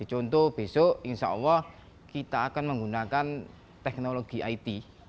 contoh besok insya allah kita akan menggunakan teknologi it